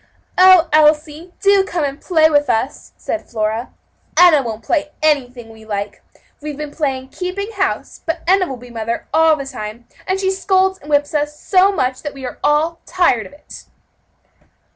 "Oh, Elsie, do come and play with us," said Flora; "Enna won't play anything we like. We've been playing keeping house, but Enna will be mother all the time, and she scolds and whips us so much that we are all tired of it."